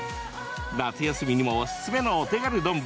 夏休みにもおすすめのお手軽丼。